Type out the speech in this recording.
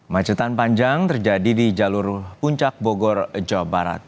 macetan panjang terjadi di jalur puncak bogor jawa barat